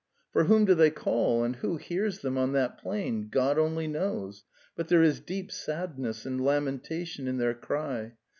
For whom do they call and who hears them on that plain, God only knows, but there is deep sadness and lamentation in their cry.